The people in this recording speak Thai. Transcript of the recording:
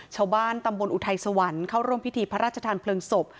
ชาวบ้านตำบลอุทัยสวรรค์เข้าร่วมพิธีพระราชทานเพลิงศพ